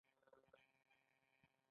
دا د تولید او توزیع او مصرف بحث دی.